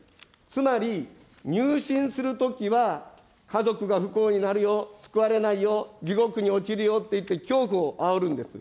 つまり入信するときは家族が不幸になるよ、救われないよ、地獄に落ちるよといって恐怖をあおるんです。